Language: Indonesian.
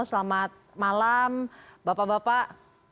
selamat malam bapak bapak